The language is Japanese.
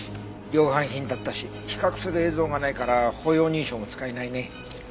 量販品だったし比較する映像がないから歩容認証も使えないね。